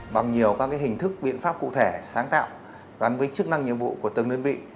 bằng nhiều các hình thức biện pháp cụ thể sáng tạo gắn với chức năng nhiệm vụ của từng đơn vị